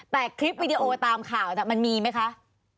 แต่คลิปวิดีโอตามข่าวมันมีไหมคะ